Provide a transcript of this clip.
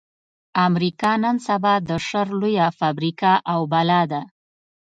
امريکا نن سبا د شر لويه فابريکه او بلا ده.